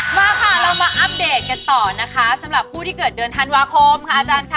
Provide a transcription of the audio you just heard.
มาค่ะเรามาอัปเดตกันต่อนะคะสำหรับผู้ที่เกิดเดือนธันวาคมค่ะอาจารย์ค่ะ